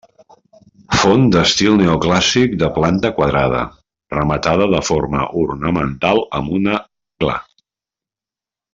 Font d'estil neoclàssic de planta quadrada, rematada de forma ornamental amb una gla.